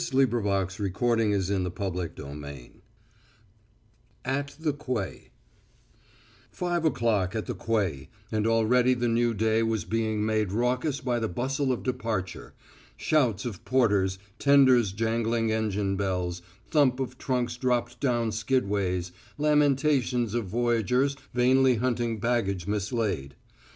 [Illustration: "Your prisoner, sir."] CHAPTER XIX AT THE QUAY Five o'clock at the quay, and already the new day was being made raucous by the bustle of departure shouts of porters, tenders' jangling engine bells, thump of trunks dropped down skidways, lamentations of voyagers vainly hunting baggage mislaid.